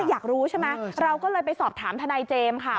อยากรู้ใช่ไหมเราก็เลยไปสอบถามทนายเจมส์ค่ะ